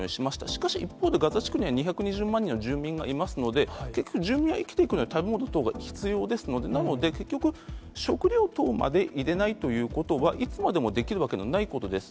しかし一方で、ガザ地区には２２０万人の住民がいますので、結局、住民が生きていくためには、食べ物等が必要ですので、なので、結局、食料等まで入れないということは、いつまでもできるわけではないことです。